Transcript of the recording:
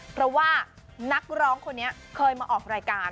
เพราะว่านักร้องคนนี้เคยมาออกรายการ